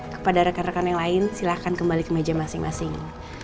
kepada rekan rekan yang lain silahkan kembali ke meja masing masing